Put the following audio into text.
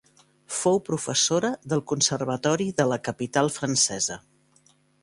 Fou professora del Conservatori de la capital francesa.